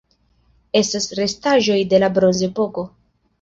Estas restaĵoj de la Bronzepoko.